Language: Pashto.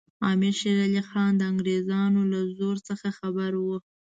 امیر شېر علي خان د انګریزانو له زور څخه خبر وو.